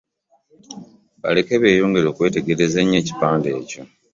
Baleke beeyongere okwetegereza ennyo ekipande ekyo.